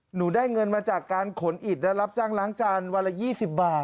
หนูได้เงินมาจากการขนอิดและรับจ้างล้างจานวันละ๒๐บาท